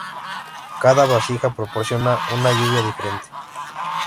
Cada vasija proporcionaba una lluvia diferente.